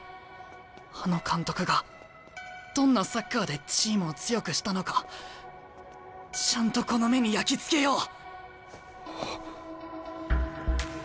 あの監督がどんなサッカーでチームを強くしたのかちゃんとこの目に焼き付けよう！